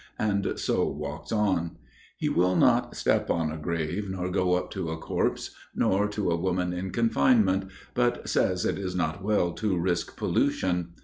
and so walks on. He will not step on a grave, nor go up to a corpse, nor to a woman in confinement, but says it is not well to risk pollution.